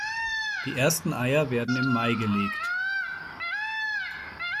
Die ersten Eier werden im Mai gelegt.